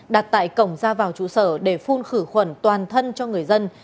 đặt tại cổng ra vào trụ sở để phun khử khuẩn toàn